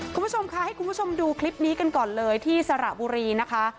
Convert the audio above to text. คุณผู้ชมค่ะให้คุณผู้ชมดูคลิปนี้กันก่อนเลยที่สระบุรีนะคะ